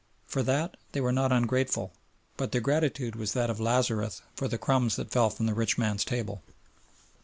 For that they were not ungrateful, but their gratitude was that of Lazarus for the crumbs that fell from the rich man's table.